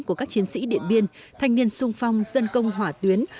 của các chiến sĩ điện biên thanh niên sung phong dân công hỏa tuyến